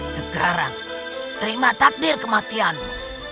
sekarang terima takdir kematianmu